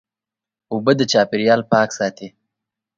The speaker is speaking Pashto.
اوبه د چاپېریال پاک ساتي.